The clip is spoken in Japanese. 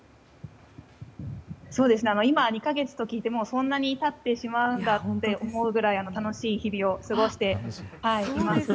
今、２か月と聞いてそんなに経ってしまうんだと思うくらい楽しい日々を過ごしています。